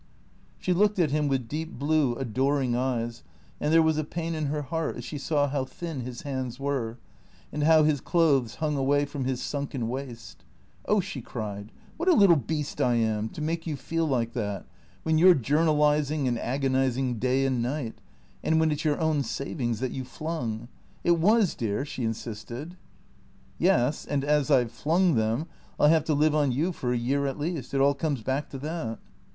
She looked at him with deep blue, adoring eyes, and there was a pain in her heart as she saw how thin his hands were, and how his clothes hung away from his sunken waist. " Oh," she cried, " what a little beast I am, to make you feel like that, when you 're journalizing and agonizing day and night, and when it 's your own savings that you flung. It was, dear," she insisted. " Yes, and as I 've flung them, I '11 have to live on you for a year at least. It all comes back to that."